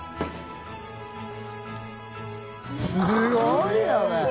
すごいよね！